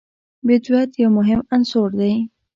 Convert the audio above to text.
بدویت یو مهم عنصر دی.